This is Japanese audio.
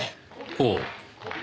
ほう。